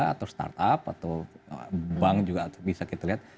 atau startup atau bank juga bisa kita lihat